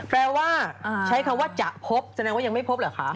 แปลว่าใช้คำว่าจะพบแสดงว่ายังไม่พบเหรอคะ